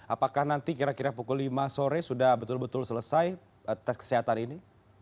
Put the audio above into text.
apakah nanti kira kira pukul lima sore sudah betul betul selesai tes kesehatan ini